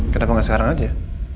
kenapa gak sekarang aja